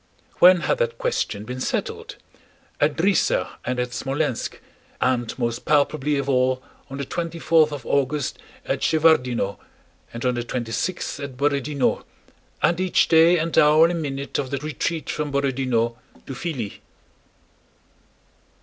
When had that question been settled? At Drissa and at Smolénsk and most palpably of all on the twenty fourth of August at Shevárdino and on the twenty sixth at Borodinó, and each day and hour and minute of the retreat from Borodinó to Filí.